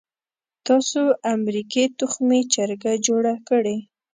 تاسو امریکې تخمي چرګه جوړه کړې.